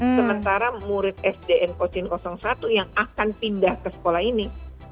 sementara murid sdn pochin satu yang akan pindah ke sekolah ini tiga ratus enam puluh